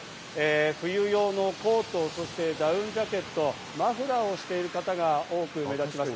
冬用のコート、ダウンジャケット、マフラーをしている方が多く目立ちます。